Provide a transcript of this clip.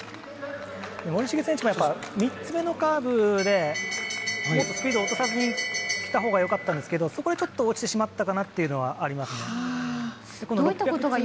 森重選手も３つ目のカーブでもっとスピードを落とさずに来たほうが良かったんですけどそこでちょっと落ちてしまったかなというのはあります。